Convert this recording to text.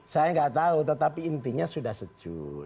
saya gak tahu tapi intinya sudah sejuk